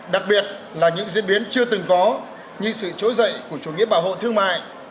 đặc biệt là những diễn biến chưa từng có như sự trỗi dậy của chủ nghĩa bảo hộ thương mại